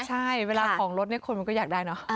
ใช่เวลาของรถเนี่ยคนมันก็อยากได้เนอะ